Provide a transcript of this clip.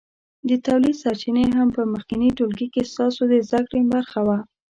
د تولید سرچینې هم په مخکېني ټولګي کې ستاسو د زده کړې برخه وه.